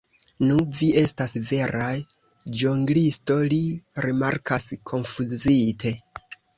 Nu, vi estas vera ĵonglisto, li rimarkas konfuzite.